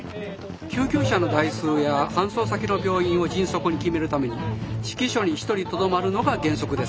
救急車の台数や搬送先の病院を迅速に決めるために指揮所に１人とどまるのが原則です。